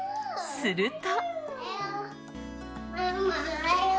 すると。